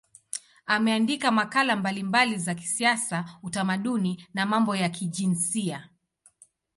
Ameandika makala mbalimbali za kisiasa, utamaduni na mambo ya kijinsia.